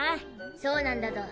そうなんだゾ。